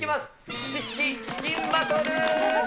チキチキチキンバトル。